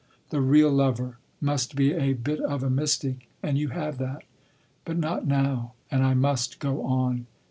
The real lover must be a bit of a mystic and you have that—but not now, and I must go on....